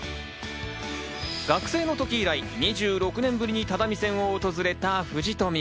学生の時以来、２６年ぶりに只見線を訪れた藤富。